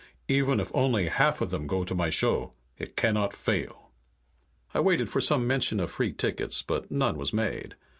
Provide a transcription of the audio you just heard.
Even if only half of them go to my show, it cannot fail." I waited for some mention of free tickets, but none was made.